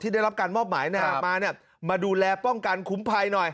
ได้รับการมอบหมายมามาดูแลป้องกันคุ้มภัยหน่อย